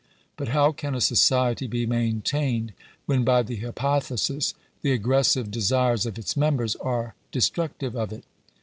But how can a society be maintained [ when, by the hypothesis, the aggressive desires of its members (are destructive of it?